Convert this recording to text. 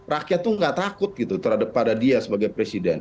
rakyat itu tidak takut pada dia sebagai presiden